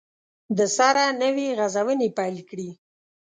دسره نوي غزونې پیل کړي